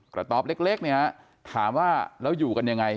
กระต๊อปเล็กถามว่าแล้วอยู่กันยังไง